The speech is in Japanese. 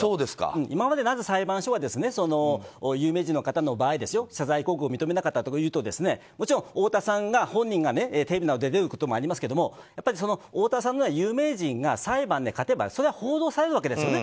今まで、なぜ裁判所が有名人の方の場合謝罪広告を認めなかったというともちろん太田さんが本人がテレビなどに出ることもありますけど太田さんのような有名人が裁判で勝てばそれは報道されるわけですよね。